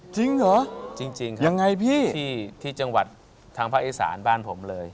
จริงเหรอยังไงพี่จริงครับที่จังหวัดทางภาคไอ้สารบ้านผมเลย